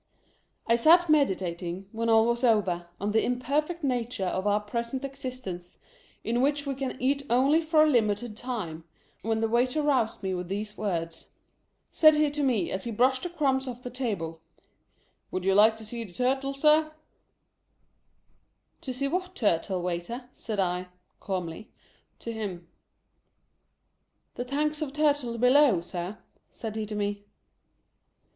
I sat meditating, when all was over, on the imperfect nature of our present existence, in which we can eat only for a limited time, when the waiter roused me with these words. Said he to me, as he brushed the crumbs off the table, "Would you like to see the Turtle, Sir?" 250 LIVELY TITRTLE. " To see what Turtle, waiter?" said I (calmly) to Mm. "The tanks of Turtle below, Sir," said he to me.